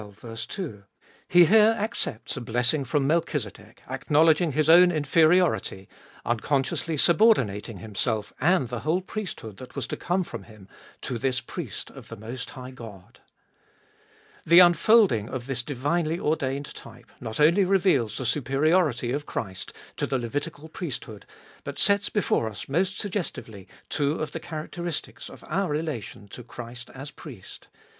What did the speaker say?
He here accepts a blessing from Melchi zedek, acknowledging his own inferiority, unconsciously sub ordinating himself and the whole priesthood that was to come from him, to this priest of the Most High God. The unfolding of this divinely ordained type not only reveals the superiority of Christ to the Levitical priesthood, but sets before us most suggestively two of the characteristics of our relation to Christ as Priest.